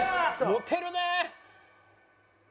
モテるねえ。